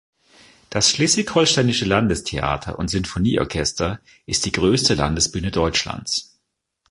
Das Schleswig-Holsteinische Landestheater und Sinfonieorchester ist die größte Landesbühne Deutschlands.